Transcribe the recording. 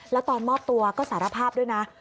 แล้วตอนมอบตัวก็สารภาพด้วยนะ